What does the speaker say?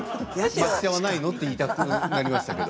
抹茶はないのって言いたくなりましたけど。